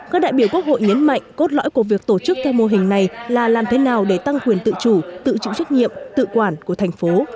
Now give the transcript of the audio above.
các đại biểu quốc hội nhấn mạnh cốt lõi của việc tổ chức theo mô hình này là làm thế nào để tăng quyền tự chủ tự chịu trách nhiệm tự quản của thành phố